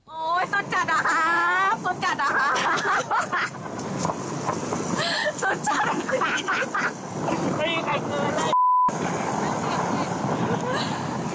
โอ้ยสุดจัดครับสุดจัดครับ